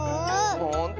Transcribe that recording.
ほんとう？